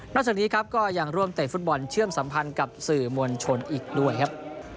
จากนี้ครับก็ยังร่วมเตะฟุตบอลเชื่อมสัมพันธ์กับสื่อมวลชนอีกด้วยครับ